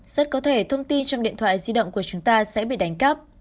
rất có thể thông tin trong điện thoại di động của chúng ta sẽ bị đánh cắp